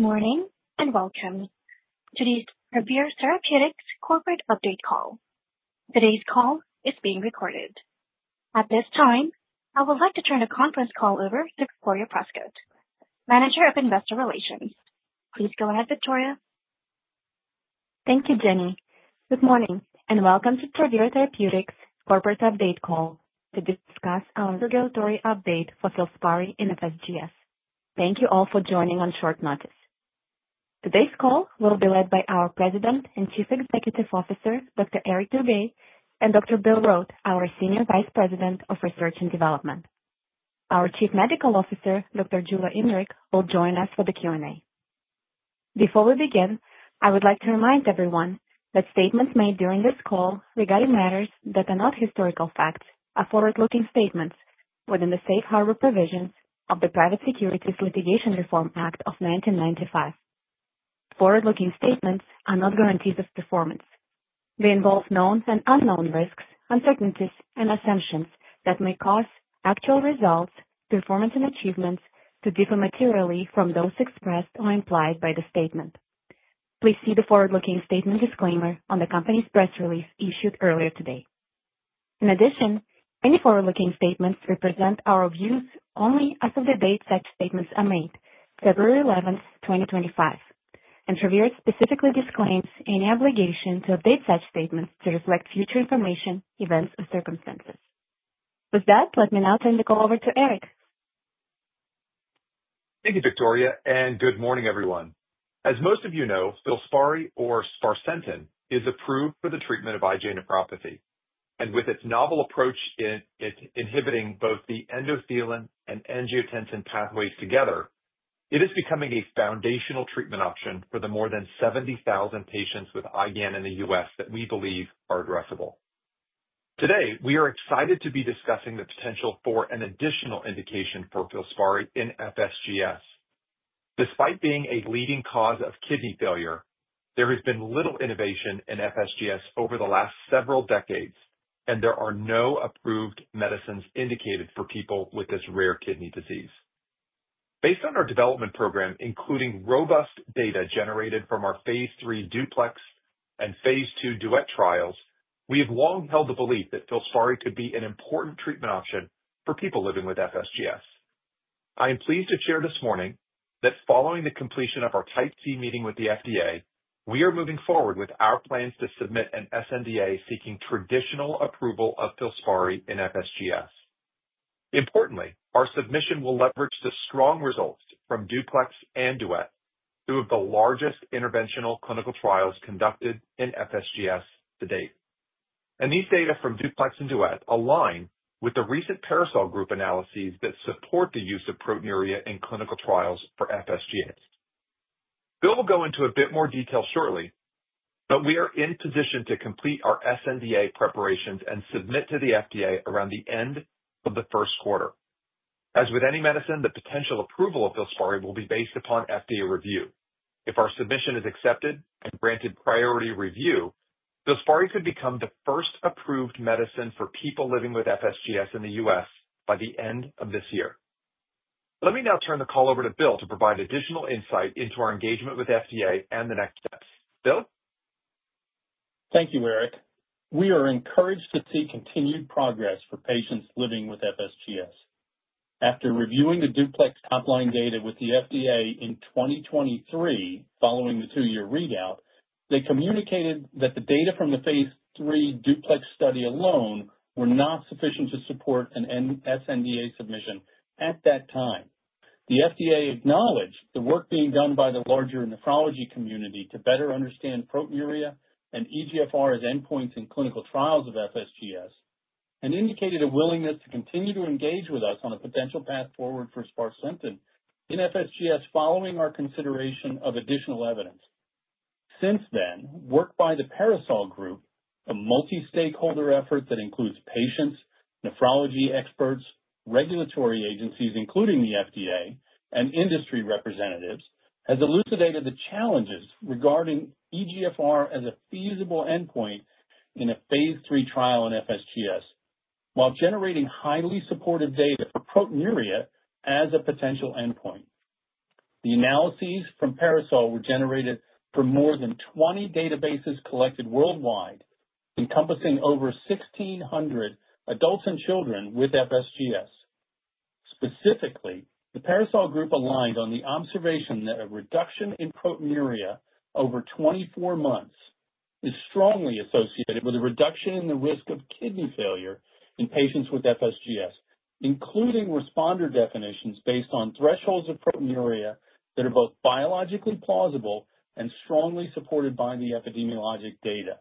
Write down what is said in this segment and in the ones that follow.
Good morning and welcome to the Travere Therapeutics corporate update call. Today's call is being recorded. At this time, I would like to turn the conference call over to Victoria Prescott, Manager of Investor Relations. Please go ahead, Victoria. Thank you, Jenny. Good morning and welcome to Travere Therapeutics corporate update call to discuss our regulatory update for FILSPARI in FSGS. Thank you all for joining on short notice. Today's call will be led by our President and Chief Executive Officer, Dr. Eric Dube, and Dr. Bill Rote, our Senior Vice President of Research and Development. Our Chief Medical Officer, Dr. Jula Inrig, will join us for the Q&A. Before we begin, I would like to remind everyone that statements made during this call regarding matters that are not historical facts are forward-looking statements within the safe harbor provisions of the Private Securities Litigation Reform Act of 1995. Forward-looking statements are not guarantees of performance. They involve known and unknown risks, uncertainties, and assumptions that may cause actual results, performance, and achievements to differ materially from those expressed or implied by the statement. Please see the forward-looking statement disclaimer on the company's press release issued earlier today. In addition, any forward-looking statements represent our views only as of the date such statements are made, February 11th, 2025. Travere specifically disclaims any obligation to update such statements to reflect future information, events, or circumstances. With that, let me now turn the call over to Eric. Thank you, Victoria, and good morning, everyone. As most of you know, FILSPARI, or sparsentan, is approved for the treatment of IgA nephropathy. And with its novel approach in inhibiting both the endothelin and angiotensin pathways together, it is becoming a foundational treatment option for the more than 70,000 patients with IgA in the U.S. that we believe are addressable. Today, we are excited to be discussing the potential for an additional indication for FILSPARI in FSGS. Despite being a leading cause of kidney failure, there has been little innovation in FSGS over the last several decades, and there are no approved medicines indicated for people with this rare kidney disease. Based on our development program, including robust data generated from our phase III DUPLEX and phase II DUET trials, we have long held the belief that FILSPARI could be an important treatment option for people living with FSGS. I am pleased to share this morning that following the completion of our Type C Meeting with the FDA, we are moving forward with our plans to submit an SNDA seeking traditional approval of FILSPARI in FSGS. Importantly, our submission will leverage the strong results from DUPLEX and DUET, two of the largest interventional clinical trials conducted in FSGS to date, and these data from DUPLEX and DUET align with the recent PARASOL analyses that support the use of proteinuria in clinical trials for FSGS. Bill will go into a bit more detail shortly, but we are in position to complete our SNDA preparations and submit to the FDA around the end of the first quarter. As with any medicine, the potential approval of FILSPARI will be based upon FDA review. If our submission is accepted and granted priority review, FILSPARI could become the first approved medicine for people living with FSGS in the U.S. by the end of this year. Let me now turn the call over to Bill to provide additional insight into our engagement with the FDA and the next steps. Bill? Thank you, Eric. We are encouraged to see continued progress for patients living with FSGS. After reviewing the DUPLEX top-line data with the FDA in 2023 following the two-year readout, they communicated that the data from the phase III DUPLEX study alone were not sufficient to support an SNDA submission at that time. The FDA acknowledged the work being done by the larger nephrology community to better understand proteinuria and eGFR as endpoints in clinical trials of FSGS and indicated a willingness to continue to engage with us on a potential path forward for sparsentan in FSGS following our consideration of additional evidence. Since then, work by the PARASOL Group, a multi-stakeholder effort that includes patients, nephrology experts, regulatory agencies, including the FDA, and industry representatives, has elucidated the challenges regarding eGFR as a feasible endpoint in a phase III trial in FSGS while generating highly supportive data for proteinuria as a potential endpoint. The analyses from PARASOL were generated from more than 20 databases collected worldwide, encompassing over 1,600 adults and children with FSGS. Specifically, the PARASOL Group aligned on the observation that a reduction in proteinuria over 24 months is strongly associated with a reduction in the risk of kidney failure in patients with FSGS, including responder definitions based on thresholds of proteinuria that are both biologically plausible and strongly supported by the epidemiologic data.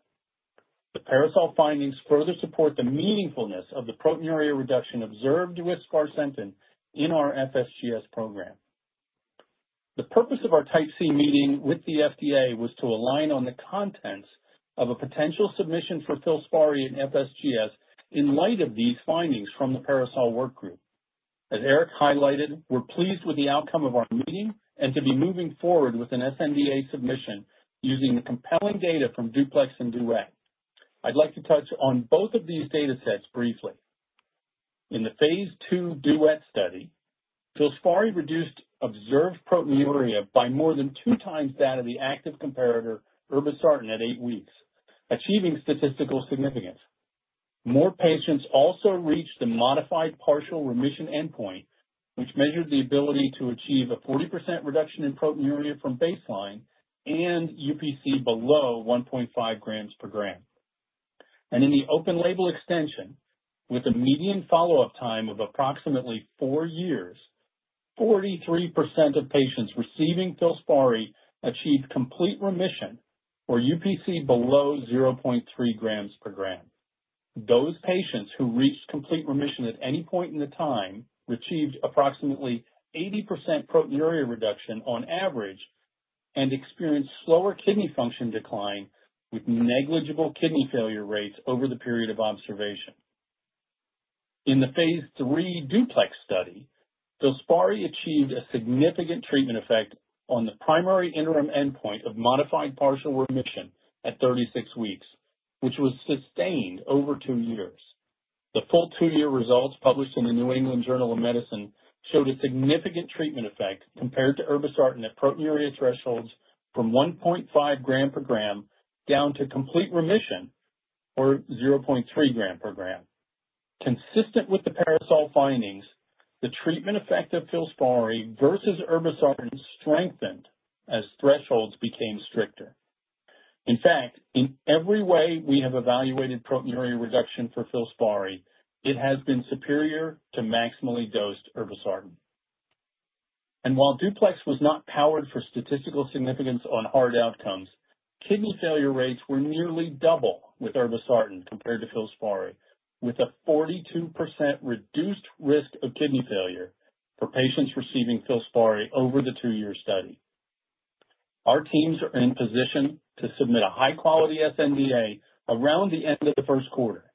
The PARASOL findings further support the meaningfulness of the proteinuria reduction observed with sparsentan in our FSGS program. The purpose of our Type C meeting with the FDA was to align on the contents of a potential submission for FILSPARI in FSGS in light of these findings from the PARASOL work group. As Eric highlighted, we're pleased with the outcome of our meeting and to be moving forward with an SNDA submission using the compelling data from DUPLEX and DUET. I'd like to touch on both of these data sets briefly. In the phase II DUET study, FILSPARI reduced observed proteinuria by more than two times that of the active comparator, irbesartan, at eight weeks, achieving statistical significance. More patients also reached the modified partial remission endpoint, which measured the ability to achieve a 40% reduction in proteinuria from baseline and UPC below 1.5 grams per gram. In the open-label extension, with a median follow-up time of approximately four years, 43% of patients receiving FILSPARI achieved complete remission or UPC below 0.3 grams per gram. Those patients who reached complete remission at any point in the time achieved approximately 80% proteinuria reduction on average and experienced slower kidney function decline with negligible kidney failure rates over the period of observation. In the phase III DUPLEX study, FILSPARI achieved a significant treatment effect on the primary interim endpoint of modified partial remission at 36 weeks, which was sustained over two years. The full two-year results published in the New England Journal of Medicine showed a significant treatment effect compared to irbesartan at proteinuria thresholds from 1.5 grams per gram down to complete remission or 0.3 grams per gram. Consistent with the PARASOL findings, the treatment effect of FILSPARI versus irbesartan strengthened as thresholds became stricter. In fact, in every way we have evaluated proteinuria reduction for FILSPARI, it has been superior to maximally dosed irbesartan. And while DUPLEX was not powered for statistical significance on hard outcomes, kidney failure rates were nearly double with irbesartan compared to FILSPARI, with a 42% reduced risk of kidney failure for patients receiving FILSPARI over the two-year study. Our teams are in position to submit a high-quality SNDA around the end of the first quarter.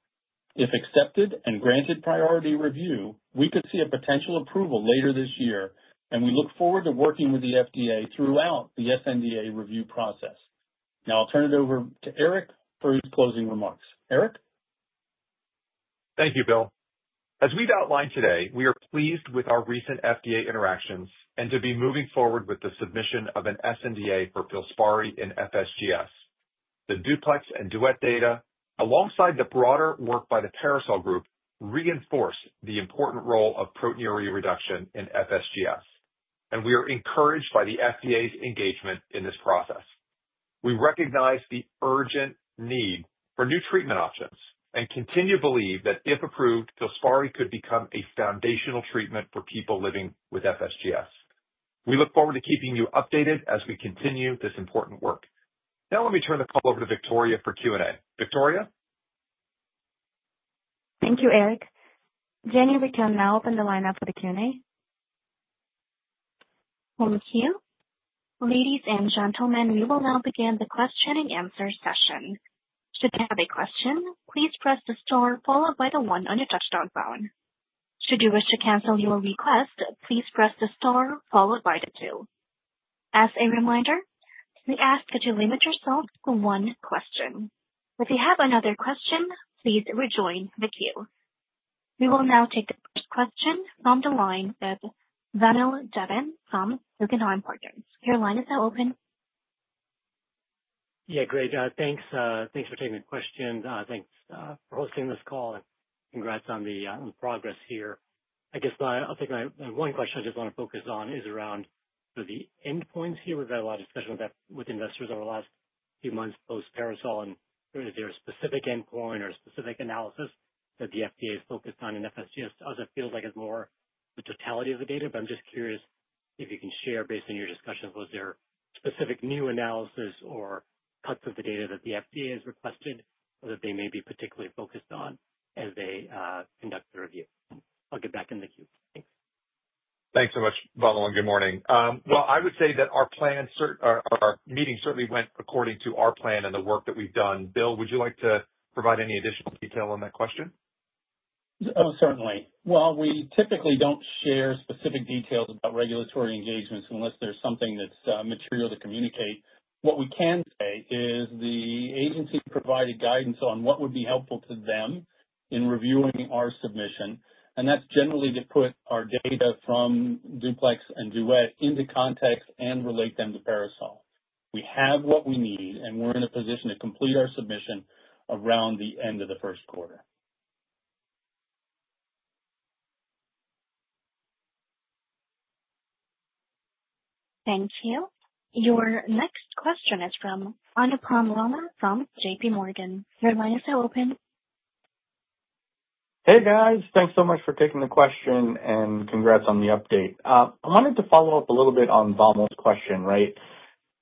If accepted and granted priority review, we could see a potential approval later this year, and we look forward to working with the FDA throughout the SNDA review process. Now, I'll turn it over to Eric for his closing remarks. Eric? Thank you, Bill. As we've outlined today, we are pleased with our recent FDA interactions and to be moving forward with the submission of an SNDA for FILSPARI in FSGS. The DUPLEX and DUET data, alongside the broader work by the PARASOL Group, reinforce the important role of proteinuria reduction in FSGS, and we are encouraged by the FDA's engagement in this process. We recognize the urgent need for new treatment options and continue to believe that if approved, FILSPARI could become a foundational treatment for people living with FSGS. We look forward to keeping you updated as we continue this important work. Now, let me turn the call over to Victoria for Q&A. Victoria? Thank you, Eric. Jenny, we can now open the line up for the Q&A. Thank you. Ladies and gentlemen, we will now begin the question-and-answer session. Should you have a question, please press the star followed by the one on your touch-tone phone. Should you wish to cancel your request, please press the star followed by the two. As a reminder, we ask that you limit yourself to one question. If you have another question, please rejoin the queue. We will now take the first question from the line with Vamil Divan from Guggenheim Securities. Your line is now open. Yeah, great. Thanks for taking the question. Thanks for hosting this call and congrats on the progress here. I guess I'll take my one question. I just want to focus on is around the endpoints here. We've had a lot of discussion with investors over the last few months post-PARASOL, and is there a specific endpoint or a specific analysis that the FDA has focused on in FSGS? It doesn't feel like it's more the totality of the data, but I'm just curious if you can share based on your discussions, was there a specific new analysis or cuts of the data that the FDA has requested or that they may be particularly focused on as they conduct the review? I'll get back in the queue. Thanks. Thanks so much, Vamil, and good morning. Well, I would say that our plan meeting certainly went according to our plan and the work that we've done. Bill, would you like to provide any additional detail on that question? Oh, certainly. Well, we typically don't share specific details about regulatory engagements unless there's something that's material to communicate. What we can say is the agency provided guidance on what would be helpful to them in reviewing our submission, and that's generally to put our data from DUPLEX and DUET into context and relate them to PARASOL. We have what we need, and we're in a position to complete our submission around the end of the first quarter. Thank you. Your next question is from Anupam Rama from J.P. Morgan. Your line is now open. Hey, guys. Thanks so much for taking the question and congrats on the update. I wanted to follow up a little bit on Vamil's question, right?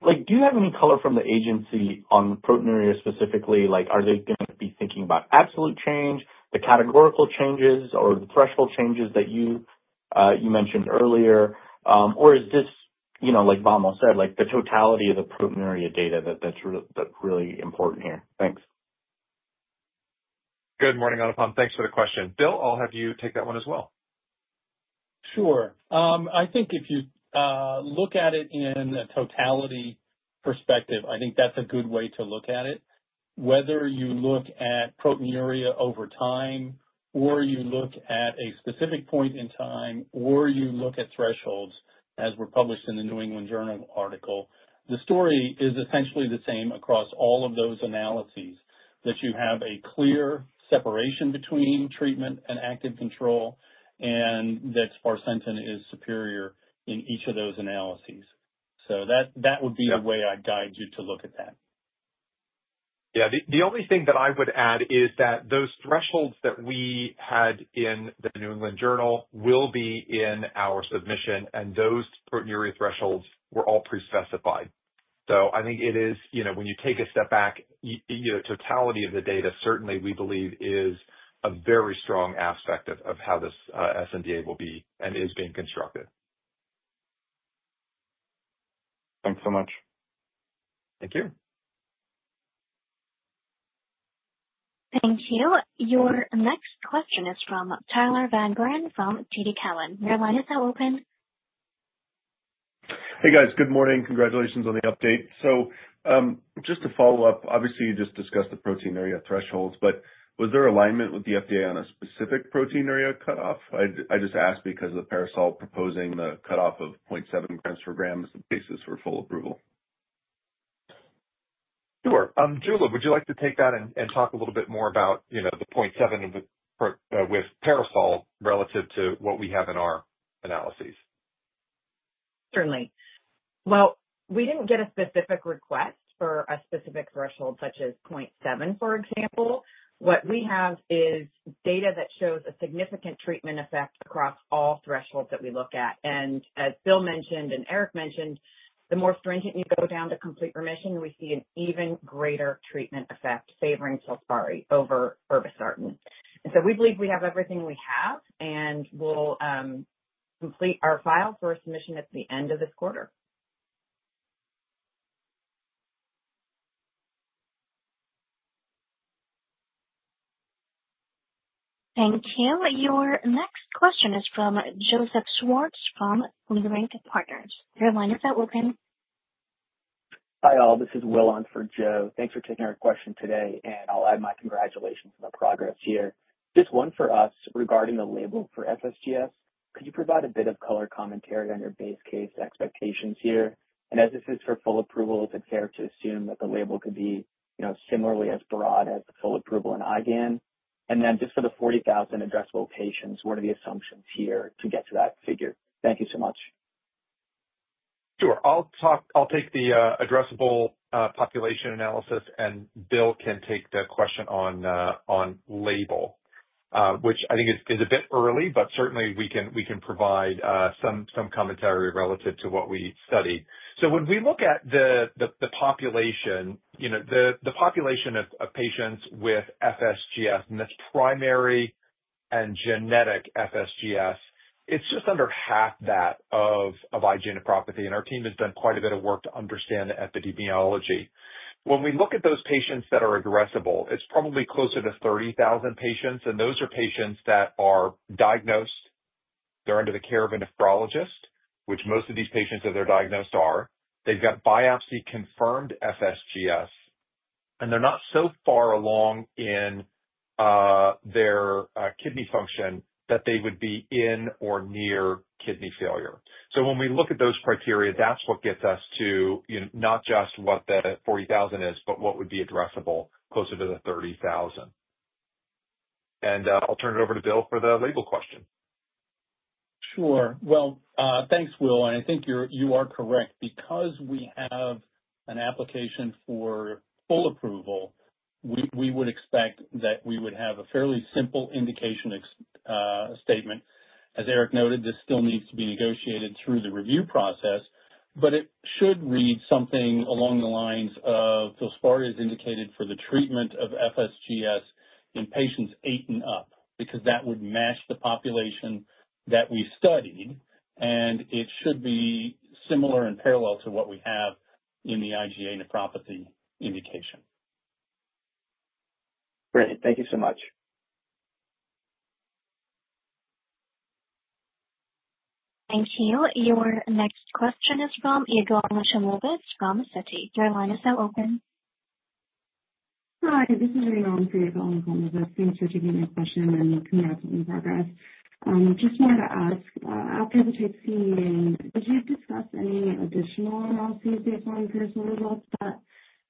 Do you have any color from the agency on proteinuria specifically? Are they going to be thinking about absolute change, the categorical changes, or the threshold changes that you mentioned earlier? Or is this, like Vamil said, the totality of the proteinuria data that's really important here? Thanks. Good morning, Anupam. Thanks for the question. Bill, I'll have you take that one as well. Sure. I think if you look at it in a totality perspective, I think that's a good way to look at it. Whether you look at proteinuria over time or you look at a specific point in time or you look at thresholds as were published in the New England Journal article, the story is essentially the same across all of those analyses that you have a clear separation between treatment and active control and that sparsentan is superior in each of those analyses. So that would be the way I'd guide you to look at that. Yeah. The only thing that I would add is that those thresholds that we had in the New England Journal will be in our submission, and those proteinuria thresholds were all pre-specified, so, I think, when you take a step back, totality of the data certainly we believe is a very strong aspect of how this SNDA will be and is being constructed. Thanks so much. Thank you. Thank you. Your next question is from Tyler Van Buren from TD Cowen. Your line is now open. Hey, guys. Good morning. Congratulations on the update. So just to follow up, obviously, you just discussed the proteinuria thresholds, but was there alignment with the FDA on a specific proteinuria cutoff? I just ask because of the PARASOL proposing the cutoff of 0.7 grams per gram as the basis for full approval. Sure. Jula, would you like to take that and talk a little bit more about the 0.7 with PARASOL relative to what we have in our analyses? Certainly. Well, we didn't get a specific request for a specific threshold such as 0.7, for example. What we have is data that shows a significant treatment effect across all thresholds that we look at. And as Bill mentioned and Eric mentioned, the more stringent you go down to complete remission, we see an even greater treatment effect favoring FILSPARI over irbesartan. And so we believe we have everything we have, and we'll complete our file for a submission at the end of this quarter. Thank you. Your next question is from Joseph Schwartz from Leerink Partners. Your line is now open. Hi all. This is Will on for Joe. Thanks for taking our question today, and I'll add my congratulations on the progress here. Just one for us regarding the label for FSGS. Could you provide a bit of color commentary on your base case expectations here? And as this is for full approval, is it fair to assume that the label could be similarly as broad as the full approval in IGAN? And then just for the 40,000 addressable patients, what are the assumptions here to get to that figure? Thank you so much. Sure. I'll take the addressable population analysis, and Bill can take the question on label, which I think is a bit early, but certainly we can provide some commentary relative to what we studied. So when we look at the population, the population of patients with FSGS, and that's primary and genetic FSGS, it's just under half that of IgA nephropathy. And our team has done quite a bit of work to understand the epidemiology. When we look at those patients that are addressable, it's probably closer to 30,000 patients. And those are patients that are diagnosed. They're under the care of a nephrologist, which most of these patients that they're diagnosed are. They've got biopsy-confirmed FSGS, and they're not so far along in their kidney function that they would be in or near kidney failure. So when we look at those criteria, that's what gets us to not just what the 40,000 is, but what would be addressable closer to the 30,000. And I'll turn it over to Bill for the label question. Sure. Well, thanks, Will. And I think you are correct. Because we have an application for full approval, we would expect that we would have a fairly simple indication statement. As Eric noted, this still needs to be negotiated through the review process, but it should read something along the lines of, "FILSPARI is indicated for the treatment of FSGS in patients eight and up," because that would match the population that we studied. And it should be similar and parallel to what we have in the IgA nephropathy indication. Great. Thank you so much. Thank you. Your next question is from Yigal Nochomovitz from Citi. Your line is now open. Hi. This is Irene from Citi. Thanks for taking my question and congrats on the progress. Just wanted to ask, after the Type C meeting, did you discuss any additional analyses based on the threshold results that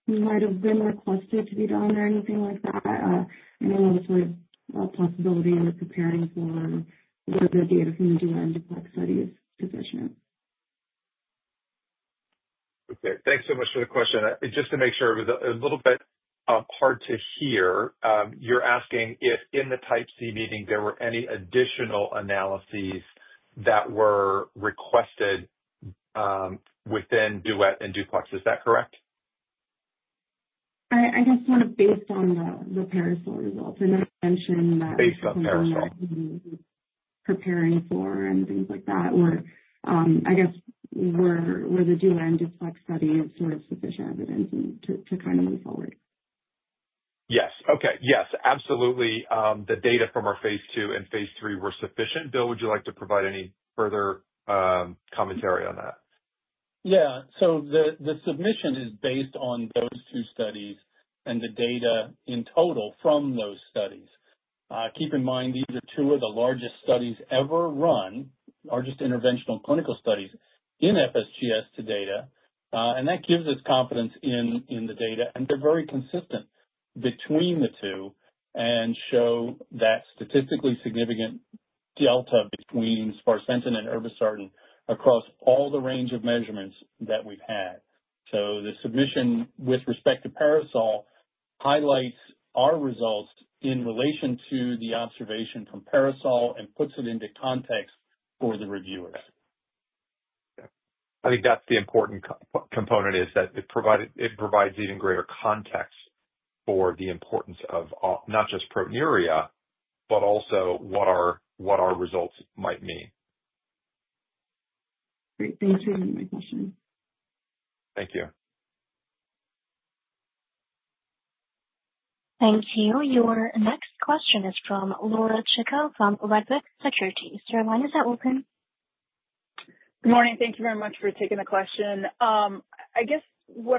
might have been requested to be done or anything like that? I know that's sort of a possibility in preparing for whether the data from the Duet and Duplex study is sufficient. Okay. Thanks so much for the question. Just to make sure, it was a little bit hard to hear. You're asking if in the Type C meeting, there were any additional analyses that were requested within DUET and DUPLEX. Is that correct? I guess sort of based on the PARASOL results. I know you mentioned that. Based on PARASOL. Preparing for and things like that, or I guess were the DUET and DUPLEX studies sort of sufficient evidence to kind of move forward? Yes. Okay. Yes. Absolutely. The data from our phase two and phase three were sufficient. Bill, would you like to provide any further commentary on that? Yeah. So the submission is based on those two studies and the data in total from those studies. Keep in mind, these are two of the largest studies ever run, largest interventional clinical studies in FSGS to date. And that gives us confidence in the data. And they're very consistent between the two and show that statistically significant delta between sparsentan and irbesartan across all the range of measurements that we've had. So the submission with respect to PARASOL highlights our results in relation to the observation from PARASOL and puts it into context for the reviewers. Yeah. I think that's the important component is that it provides even greater context for the importance of not just proteinuria, but also what our results might mean. Great. Thanks for taking my question. Thank you. Thank you. Your next question is from Laura Chico from Wedbush Securities. Your line is now open. Good morning. Thank you very much for taking the question. I guess what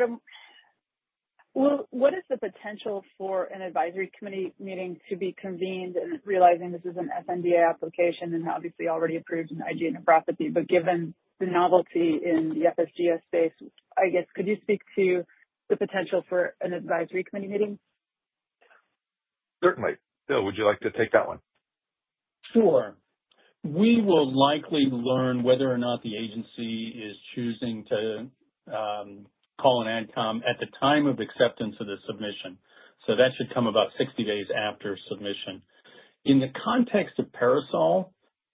is the potential for an advisory committee meeting to be convened and realizing this is an sNDA application and obviously already approved in IgA nephropathy? But given the novelty in the FSGS space, I guess, could you speak to the potential for an advisory committee meeting? Certainly. Bill, would you like to take that one? Sure. We will likely learn whether or not the agency is choosing to call an adcom at the time of acceptance of the submission, so that should come about 60 days after submission. In the context of PARASOL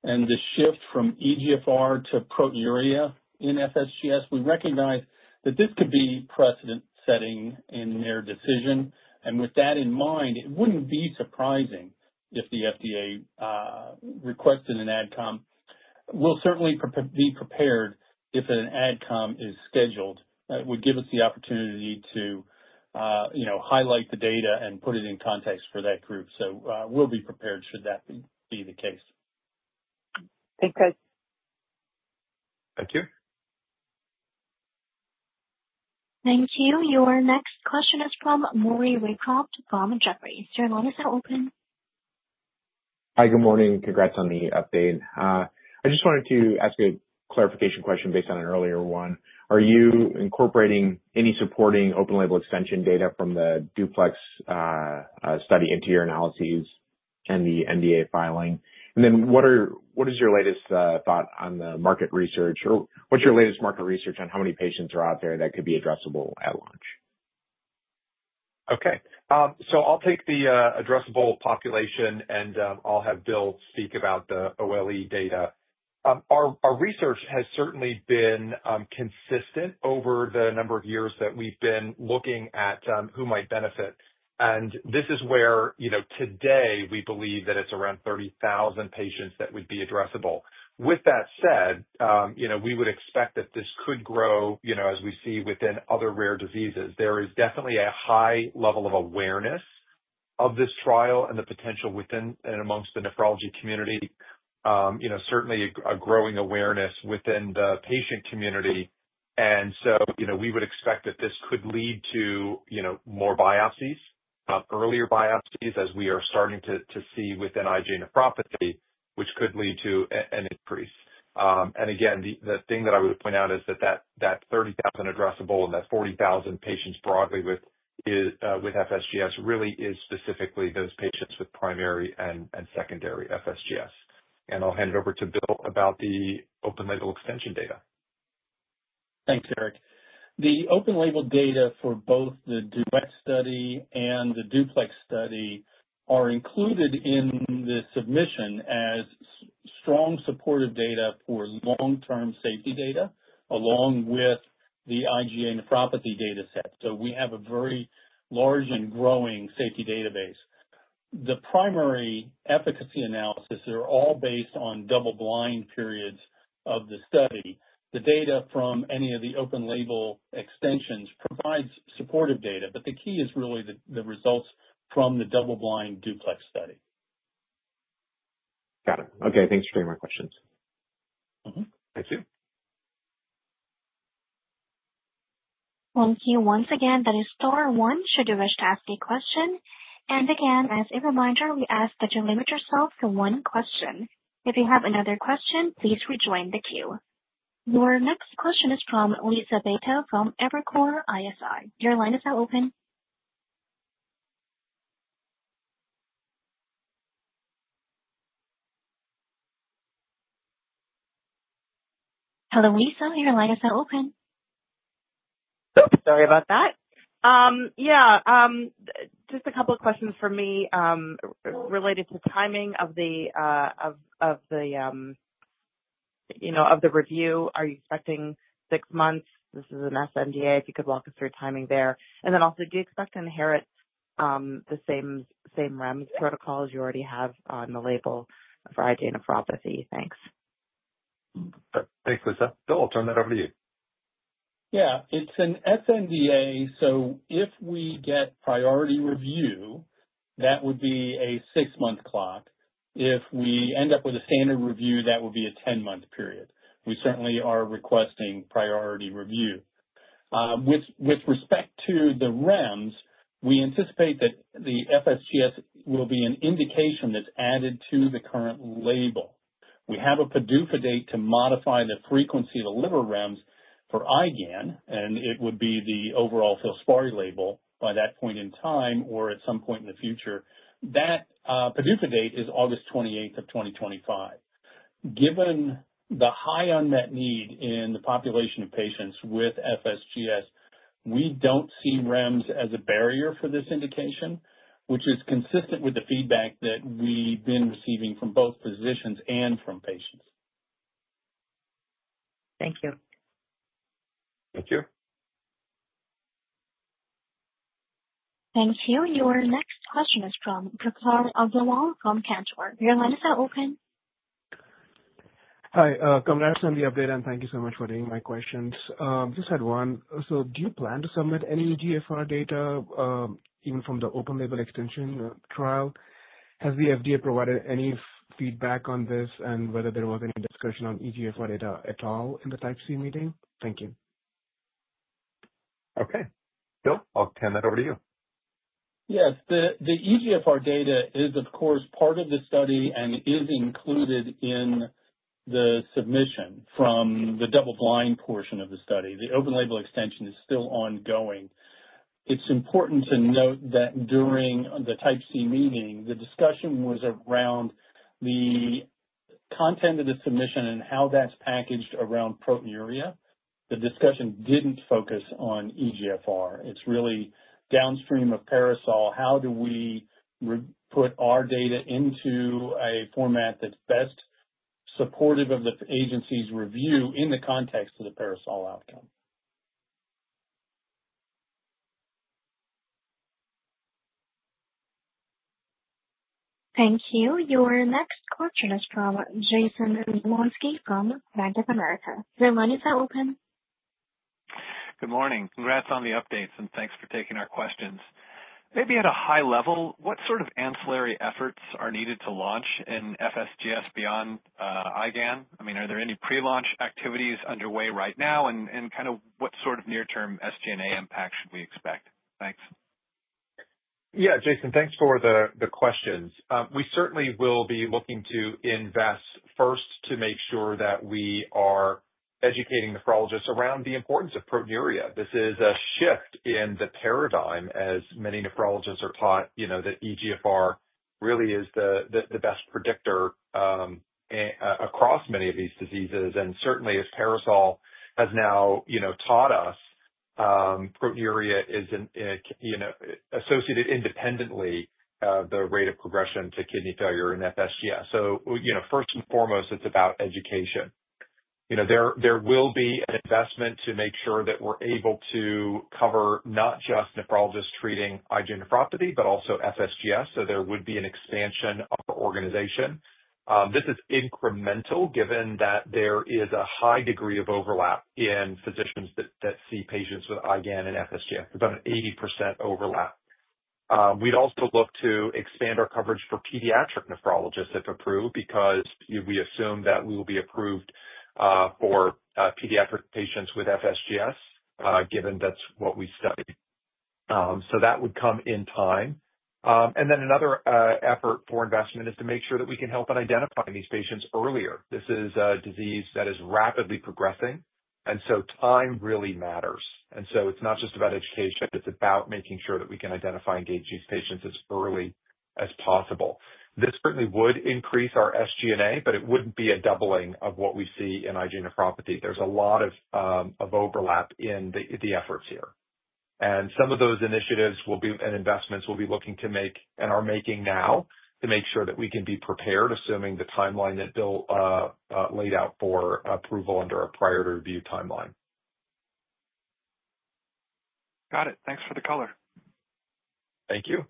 and the shift from eGFR to proteinuria in FSGS, we recognize that this could be precedent-setting in their decision, and with that in mind, it wouldn't be surprising if the FDA requested an adcom. We'll certainly be prepared if an adcom is scheduled. It would give us the opportunity to highlight the data and put it in context for that group, so we'll be prepared should that be the case. Thanks, guys. Thank you. Thank you. Your next question is from Maury Raycroft from Jefferies. Your line is now open. Hi. Good morning. Congrats on the update. I just wanted to ask a clarification question based on an earlier one. Are you incorporating any supporting open-label extension data from the DUPLEX study into your analyses and the NDA filing? And then what is your latest thought on the market research? Or what's your latest market research on how many patients are out there that could be addressable at launch? Okay. So I'll take the addressable population, and I'll have Bill speak about the OLE data. Our research has certainly been consistent over the number of years that we've been looking at who might benefit. And this is where today we believe that it's around 30,000 patients that would be addressable. With that said, we would expect that this could grow as we see within other rare diseases. There is definitely a high level of awareness of this trial and the potential within and amongst the nephrology community. Certainly a growing awareness within the patient community. And so we would expect that this could lead to more biopsies, earlier biopsies as we are starting to see within IgA nephropathy, which could lead to an increase. And again, the thing that I would point out is that that 30,000 addressable and that 40,000 patients broadly with FSGS really is specifically those patients with primary and secondary FSGS. And I'll hand it over to Bill about the open-label extension data. Thanks, Eric. The open-label data for both the DUET study and the DUPLEX study are included in the submission as strong supportive data for long-term safety data along with the IgA Nephropathy data set. So we have a very large and growing safety database. The primary efficacy analyses are all based on double-blind periods of the study. The data from any of the open-label extensions provides supportive data, but the key is really the results from the double-blind DUPLEX study. Got it. Okay. Thanks for taking my questions. Thank you. Thank you once again. That is star one should you wish to ask a question. And again, as a reminder, we ask that you limit yourself to one question. If you have another question, please rejoin the queue. Your next question is from Liisa Bayko from Evercore ISI. Your line is now open. Hello, Liisa. Your line is now open. Oops. Sorry about that. Yeah. Just a couple of questions for me related to timing of the review. Are you expecting six months? This is an SNDA. If you could walk us through timing there. And then also, do you expect to inherit the same REMS protocol as you already have on the label for IgA nephropathy? Thanks. Thanks, Liisa. Bill, I'll turn that over to you. Yeah. It's an SNDA. So if we get priority review, that would be a six-month clock. If we end up with a standard review, that would be a 10-month period. We certainly are requesting priority review. With respect to the REMS, we anticipate that the FSGS will be an indication that's added to the current label. We have a PDUFA date to modify the frequency of the liver REMS for IgAN, and it would be the overall FILSPARI label by that point in time or at some point in the future. That PDUFA date is August 28th of 2025. Given the high unmet need in the population of patients with FSGS, we don't see REMS as a barrier for this indication, which is consistent with the feedback that we've been receiving from both physicians and from patients. Thank you. Thank you. Thank you. Your next question is from Prakhar Agrawal from Cantor. Your line is now open. Hi. Congrats on the update, and thank you so much for taking my questions. Just had one. So do you plan to submit any eGFR data even from the open-label extension trial? Has the FDA provided any feedback on this and whether there was any discussion on eGFR data at all in the Type C meeting? Thank you. Okay. Bill, I'll hand that over to you. Yes. The eGFR data is, of course, part of the study and is included in the submission from the double-blind portion of the study. The open-label extension is still ongoing. It's important to note that during the Type C meeting, the discussion was around the content of the submission and how that's packaged around proteinuria. The discussion didn't focus on eGFR. It's really downstream of PARASOL. How do we put our data into a format that's best supportive of the agency's review in the context of the PARASOL outcome? Thank you. Your next question is from Jason Zemansky from Bank of America. Your line is now open. Good morning. Congrats on the updates, and thanks for taking our questions. Maybe at a high level, what sort of ancillary efforts are needed to launch an FSGS beyond IgAN? I mean, are there any pre-launch activities underway right now? And kind of what sort of near-term SG&A impact should we expect? Thanks. Yeah. Jason, thanks for the questions. We certainly will be looking to invest first to make sure that we are educating nephrologists around the importance of proteinuria. This is a shift in the paradigm as many nephrologists are taught that eGFR really is the best predictor across many of these diseases. And certainly, as PARASOL has now taught us, proteinuria is associated independently of the rate of progression to kidney failure in FSGS. So first and foremost, it's about education. There will be an investment to make sure that we're able to cover not just nephrologists treating IgA Nephropathy, but also FSGS. So there would be an expansion of our organization. This is incremental given that there is a high degree of overlap in physicians that see patients with IgAN and FSGS. It's about an 80% overlap. We'd also look to expand our coverage for pediatric nephrologists if approved because we assume that we will be approved for pediatric patients with FSGS given that's what we study. So that would come in time. And then another effort for investment is to make sure that we can help in identifying these patients earlier. This is a disease that is rapidly progressing, and so time really matters. And so it's not just about education. It's about making sure that we can identify and engage these patients as early as possible. This certainly would increase our SG&A, but it wouldn't be a doubling of what we see in IgA nephropathy. There's a lot of overlap in the efforts here, and some of those initiatives and investments will be looking to make and are making now to make sure that we can be prepared assuming the timeline that Bill laid out for approval under a priority review timeline. Got it. Thanks for the color. Thank you.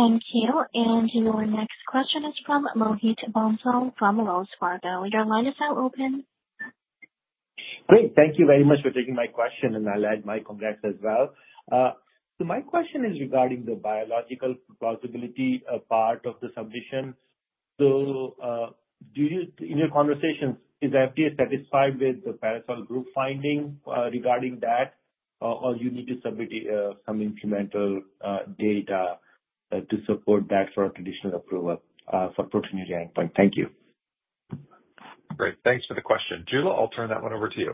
Thank you. And your next question is from Mohit Bansal from Wells Fargo. Your line is now open. Great. Thank you very much for taking my question, and I'll add my congrats as well. So my question is regarding the biological plausibility part of the submission. So in your conversations, is the FDA satisfied with the PARASOL group findings regarding that, or do you need to submit some incremental data to support that for a traditional approval for proteinuria endpoint? Thank you. Great. Thanks for the question. Jula, I'll turn that one over to you.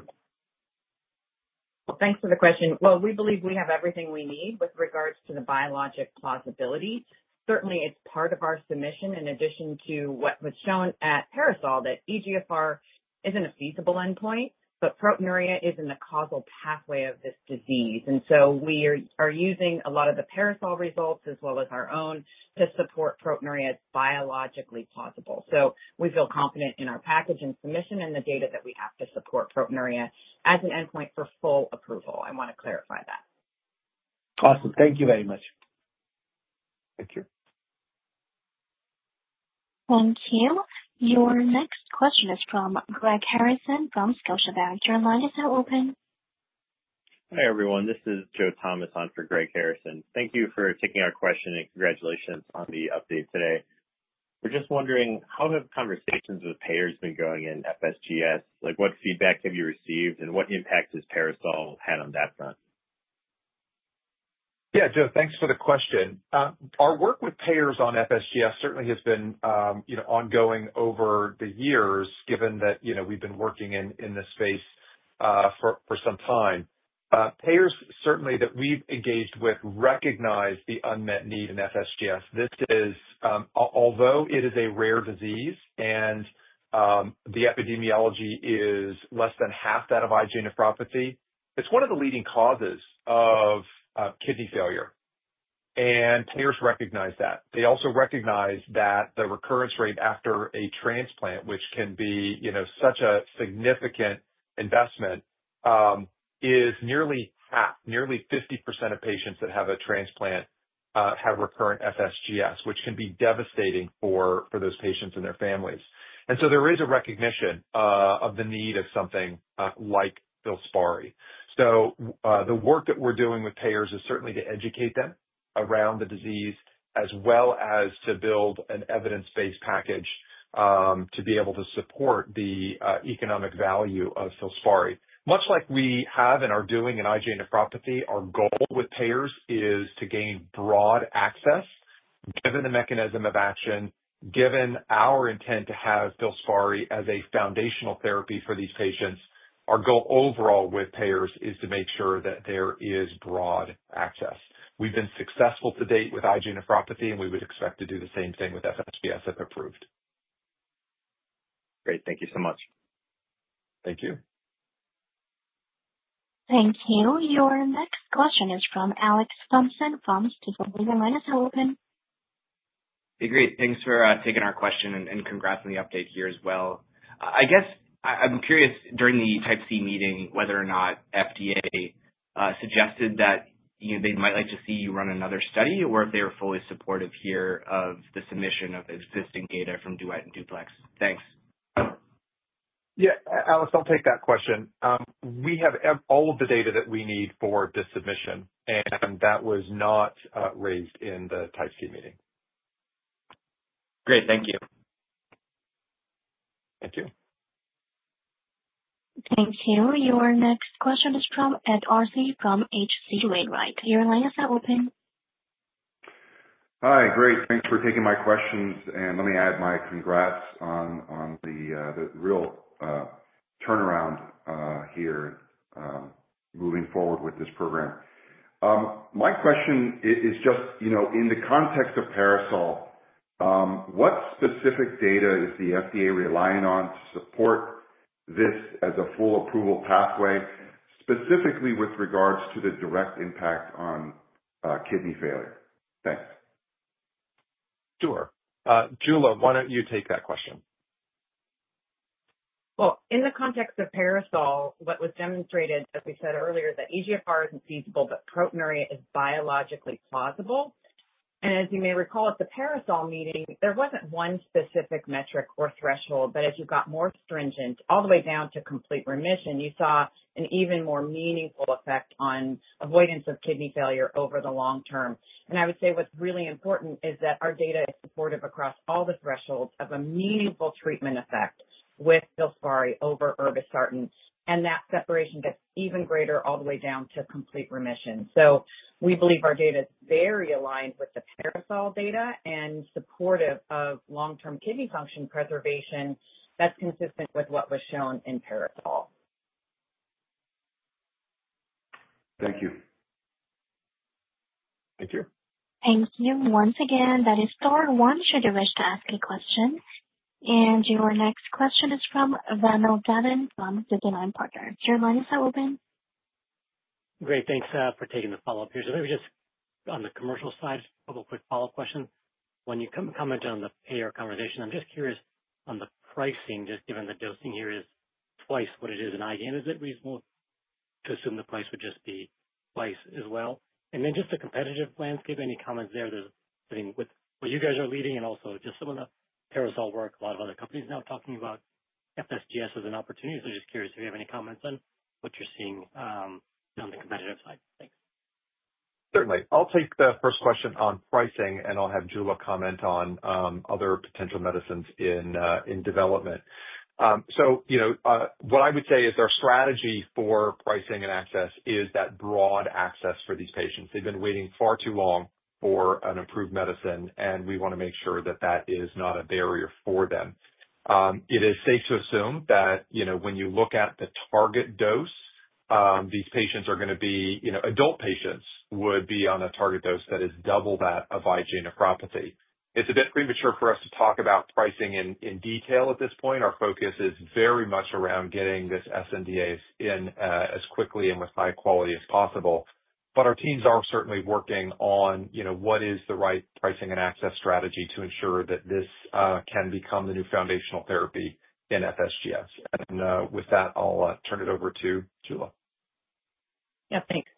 Thanks for the question. We believe we have everything we need with regards to the biologic plausibility. Certainly, it's part of our submission in addition to what was shown at PARASOL that eGFR isn't a feasible endpoint, but proteinuria is in the causal pathway of this disease. And so we are using a lot of the PARASOL results as well as our own to support proteinuria as biologically plausible. We feel confident in our package and submission and the data that we have to support proteinuria as an endpoint for full approval. I want to clarify that. Awesome. Thank you very much. Thank you. Thank you. Your next question is from Greg Harrison from Scotiabank. Your line is now open. Hi everyone. This is Joe Thomas on for Greg Harrison. Thank you for taking our question and congratulations on the update today. We're just wondering how have conversations with payers been going in FSGS? What feedback have you received and what impact has PARASOL had on that front? Yeah, Joe, thanks for the question. Our work with payers on FSGS certainly has been ongoing over the years given that we've been working in this space for some time. Payers certainly that we've engaged with recognize the unmet need in FSGS. Although it is a rare disease and the epidemiology is less than half that of IgA Nephropathy, it's one of the leading causes of kidney failure. And payers recognize that. They also recognize that the recurrence rate after a transplant, which can be such a significant investment, is nearly half, nearly 50% of patients that have a transplant have recurrent FSGS, which can be devastating for those patients and their families. And so there is a recognition of the need of something like FILSPARI. So the work that we're doing with payers is certainly to educate them around the disease as well as to build an evidence-based package to be able to support the economic value of FILSPARI. Much like we have and are doing in IgA nephropathy, our goal with payers is to gain broad access given the mechanism of action, given our intent to have FILSPARI as a foundational therapy for these patients. Our goal overall with payers is to make sure that there is broad access. We've been successful to date with IgA nephropathy, and we would expect to do the same thing with FSGS if approved. Great. Thank you so much. Thank you. Thank you. Your next question is from Alex Thompson from Stifel. Your line is now open. Hey, great. Thanks for taking our question and congrats on the update here as well. I guess I'm curious during the Type C meeting whether or not FDA suggested that they might like to see you run another study or if they were fully supportive here of the submission of existing data from DUET and DUPLEX. Thanks. Yeah. Alex, I'll take that question. We have all of the data that we need for this submission, and that was not raised in the Type C meeting. Great. Thank you. Thank you. Thank you. Your next question is from Ed Arce from H.C. Wainwright. Your line is now open. Hi. Great. Thanks for taking my questions. And let me add my congrats on the real turnaround here moving forward with this program. My question is just in the context of PARASOL, what specific data is the FDA relying on to support this as a full approval pathway specifically with regards to the direct impact on kidney failure? Thanks. Sure. Jula, why don't you take that question? In the context of PARASOL, what was demonstrated, as we said earlier, is that eGFR isn't feasible, but proteinuria is biologically plausible. As you may recall, at the PARASOL meeting, there wasn't one specific metric or threshold, but as you got more stringent all the way down to complete remission, you saw an even more meaningful effect on avoidance of kidney failure over the long term. I would say what's really important is that our data is supportive across all the thresholds of a meaningful treatment effect with FILSPARI over irbesartan. That separation gets even greater all the way down to complete remission. We believe our data is very aligned with the PARASOL data and supportive of long-term kidney function preservation that's consistent with what was shown in PARASOL. Thank you. Thank you. Thank you. Once again, that is star one, should you wish to ask a question. And your next question is from Reynald Daven from Ziegler Partners. Your line is now open. Great. Thanks for taking the follow-up here. So maybe just on the commercial side, a couple of quick follow-up questions. When you commented on the payer conversation, I'm just curious on the pricing, just given the dosing here is twice what it is in IgAN. Is it reasonable to assume the price would just be twice as well? And then just the competitive landscape, any comments there with what you guys are leading and also just some of the PARASOL work, a lot of other companies now talking about FSGS as an opportunity. So just curious if you have any comments on what you're seeing on the competitive side. Thanks. Certainly. I'll take the first question on pricing, and I'll have Jula comment on other potential medicines in development. What I would say is our strategy for pricing and access is that broad access for these patients. They've been waiting far too long for an approved medicine, and we want to make sure that that is not a barrier for them. It is safe to assume that when you look at the target dose, these patients are going to be adult patients would be on a target dose that is double that of IgA nephropathy. It's a bit premature for us to talk about pricing in detail at this point. Our focus is very much around getting this SNDA in as quickly and with high quality as possible. But our teams are certainly working on what is the right pricing and access strategy to ensure that this can become the new foundational therapy in FSGS. And with that, I'll turn it over to Jula. Yeah. Thanks.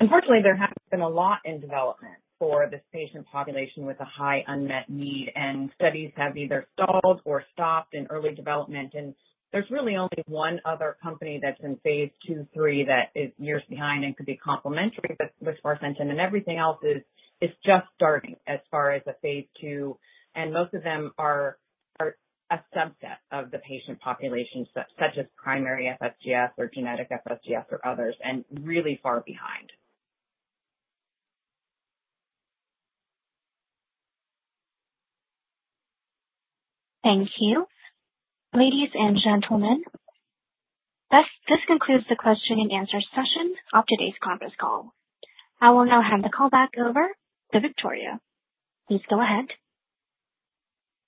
Unfortunately, there has been a lot in development for this patient population with a high unmet need, and studies have either stalled or stopped in early development, and there's really only one other company that's in phase two, three that is years behind and could be complementary with sparsentan, and everything else is just starting as far as the phase two, and most of them are a subset of the patient population, such as primary FSGS or genetic FSGS or others, and really far behind. Thank you. Ladies and gentlemen, this concludes the question and answer session of today's conference call. I will now hand the call back over to Victoria. Please go ahead.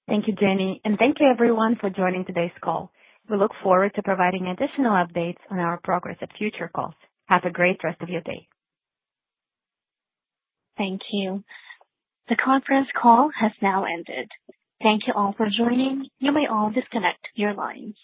Thank you, Jenny. And thank you, everyone, for joining today's call. We look forward to providing additional updates on our progress at future calls. Have a great rest of your day. Thank you. The conference call has now ended. Thank you all for joining. You may all disconnect your lines.